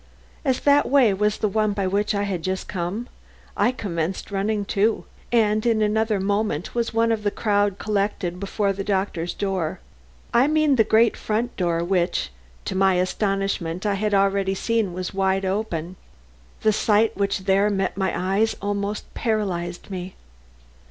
As that way was the one by which I had just come, I commenced running too, and in another moment was one of a crowd collected before the doctor's door. I mean the great front door which, to my astonishment, I had already seen was wide open. The sight which there met my eyes almost paralyzed me.